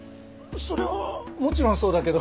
そりゃもちろんそうだけど。